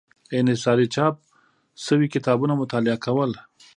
انحصاري چاپ شوي کتابونه مطالعه کول.